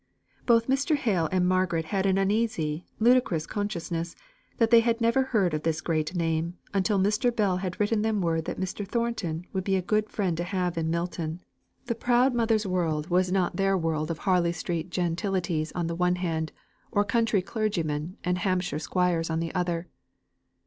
Both Mr. Hale and Margaret had an uneasy, ludicrous consciousness that they had never heard of this great name, until Mr. Bell had written them word that Mr. Thornton would be a good friend to have in Milton. The proud mother's world was not their world of Harley street gentilities on the one hand, or country clergymen and Hampshire squires on the other.